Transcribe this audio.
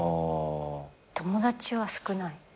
友達は少ない。